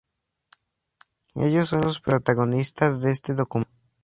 Ellos son los protagonistas de este documental.